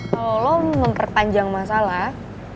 kalau lo memperpanjang masalah